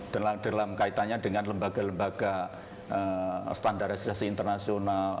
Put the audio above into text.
dalam kaitannya dengan lembaga lembaga standarisasi internasional